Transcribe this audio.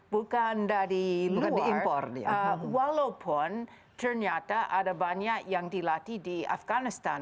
bukan dari bukan diimpor walaupun ternyata ada banyak yang dilatih di afganistan